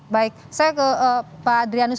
baik saya ke pak adrianus